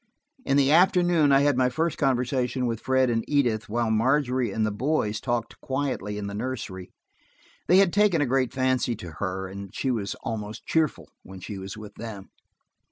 In the afternoon I had my first conversation with Fred and Edith, while Margery and the boys talked quietly in the nursery. They had taken a great fancy to her, and she was almost cheerful when she was with them.